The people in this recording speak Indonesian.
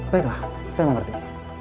baiklah saya mengerti